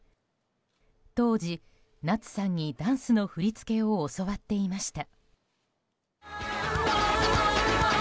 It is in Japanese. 当時、夏さんにダンスの振り付けを教わっていました。